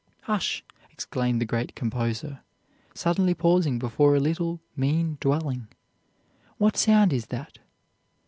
'Hush!' exclaimed the great composer, suddenly pausing before a little, mean dwelling, 'what sound is that?